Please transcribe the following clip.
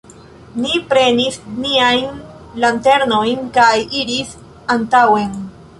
Ni prenis niajn lanternojn kaj iris antaŭen.